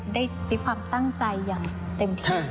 ได้มีความตั้งใจอย่างเต็มที่